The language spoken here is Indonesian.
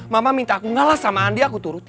mama minta aku ngalah sama andi aku turuti